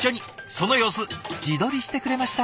その様子自撮りしてくれました。